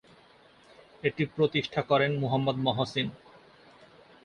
এটি প্রতিষ্ঠা করেন মুহম্মদ মহসীন।